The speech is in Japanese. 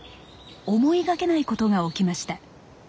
思いがけないことが起きました。